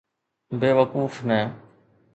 بيوقوف نه.